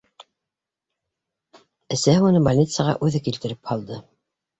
Әсәһе уны больницаға үҙе килтереп һалды.